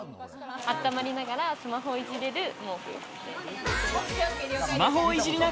あったまりながらスマホをいじれる毛布。